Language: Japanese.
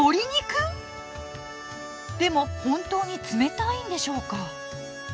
でも本当に冷たいんでしょうか？